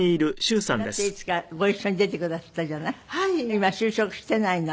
今就職してないの？